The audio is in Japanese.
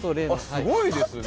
すごいですね。